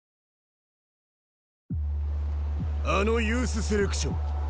あのユースセレクション